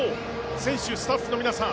選手、スタッフの皆さん